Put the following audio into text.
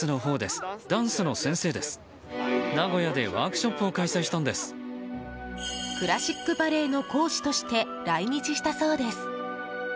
クラシックバレエの講師として来日したそうです。